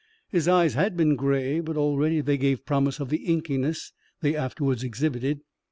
His eyes had been gray but, already, they gave promise of the inkiness they afterwards exhibited.